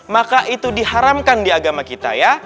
maka itu diharamkan di agama kita ya